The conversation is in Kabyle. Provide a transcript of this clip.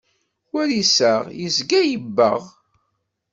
War iseɣ, yezga yebbeɣ.